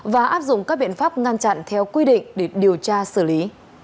và áp dụng các biện pháp ngăn chặn theo quy định để điều tra xử lý